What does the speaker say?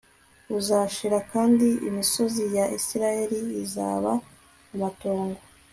buzashira kandi imisozi ya isirayeli izaba amatongo